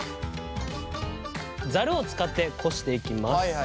ざるを使ってこしていきます。